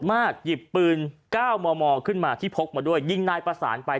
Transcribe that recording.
หยิบปืน๙มมขึ้นมาที่พกมาด้วยยิงนายประสานไป